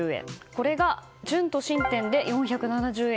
これが準都心店で４７０円